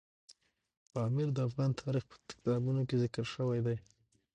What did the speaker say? پامیر د افغان تاریخ په کتابونو کې ذکر شوی دی.